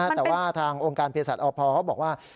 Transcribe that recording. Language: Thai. แต่ว่าทางองค์การเผยศาสตร์ออภเขาบอกว่า